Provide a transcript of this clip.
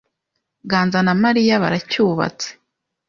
Ganza na Mariya baracyubatse.